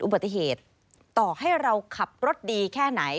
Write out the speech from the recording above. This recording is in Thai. อุบัติเหตุต่อให้เราขับรถดีแค่ไหน